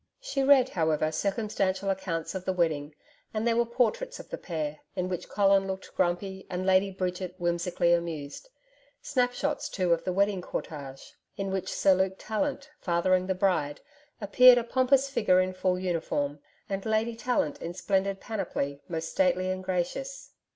She read, however, circumstantial accounts of the wedding, and there were portraits of the pair in which Colin looked grumpy and Lady Bridget whimsically amused snap shots, too, of the wedding cortege, in which Sir Luke Tallant, fathering the Bride, appeared a pompous figure in full uniform; and Lady Tallant in splendid panoply, most stately and gracious.